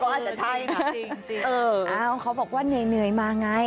อาจจะใช่ค่ะจริงเอออ้าวเขาบอกว่าเหนื่อยมาไง